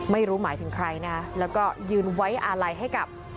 ไม่รู้หมายถึงใครนะแล้วก็ยืนไว้อาลัยให้กับ